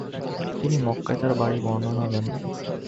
তিনি মক্কায় তার বাড়ির বর্ণনা দেন।